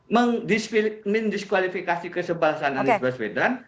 meng disqualifikasi kesebalasan anies baswedan